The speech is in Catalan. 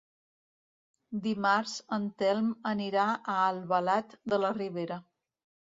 Dimarts en Telm anirà a Albalat de la Ribera.